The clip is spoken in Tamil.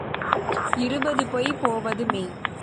இருப்பது பொய் போவது மெய்.